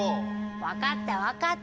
分かった分かった。